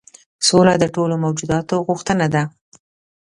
سوله د ټولو موجوداتو غوښتنه ده.